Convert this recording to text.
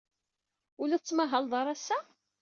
Ur la tettmahaled ara ass-a?